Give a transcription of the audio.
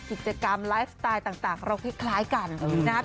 กิจกรรมไลฟ์สไตล์ต่างเราคล้ายกันนะครับ